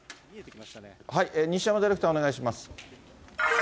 西山ディレクター、お願いします。